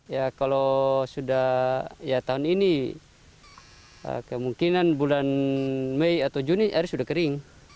ya kalau sudah ya tahun ini kemungkinan bulan mei atau juni air sudah kering